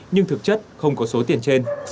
nhưng thực chất không có số tiền trên